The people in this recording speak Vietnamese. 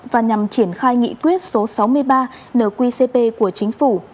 và nhằm triển khai nghị quyết số sáu mươi ba nqcp của chính phủ